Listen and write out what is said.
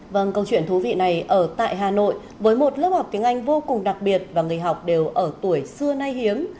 vâng câu chuyện thú vị này ở tại hà nội với một lớp học tiếng anh vô cùng đặc biệt và người học đều ở tuổi xưa nay hiếm